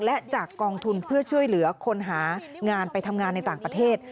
และจากกองทุนเพื่อช่วยเหลือคนหางานไปทำงานในต่างประเทศ